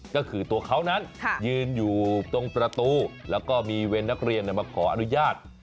ก็คือตัวเขานั้นยืนอยู่ตรงประตูแล้วก็มีเวรนักเรียนมาขออนุญาต